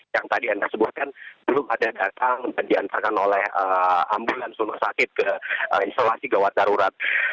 yang tadi anda sebutkan belum ada datang dan diantarkan oleh ambulans rumah sakit ke instalasi gawat darurat